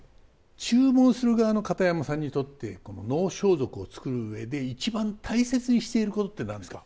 注文する側の片山さんにとって能装束を作る上で一番大切にしていることって何ですか？